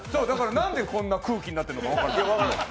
なんでこんな空気になってるか分かんない。